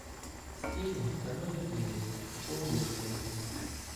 Стіни давно не білені, пооблущувані.